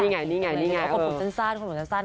นี่ไงเอาขนผลสั้น